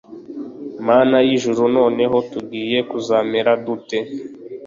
mana y’ijuru, noneho tugiye kuzamera dute?